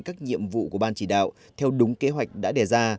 các nhiệm vụ của ban chỉ đạo theo đúng kế hoạch đã đề ra